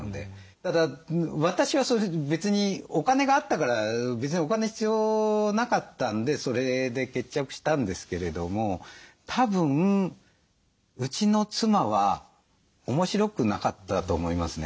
ただ私はそういうふうに別にお金があったから別にお金必要なかったんでそれで決着したんですけれどもたぶんうちの妻は面白くなかったと思いますね。